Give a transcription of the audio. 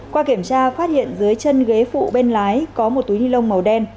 qua kiểm tra phát hiện dưới chân ghế phụ bên lái có một túi ni lông màu đen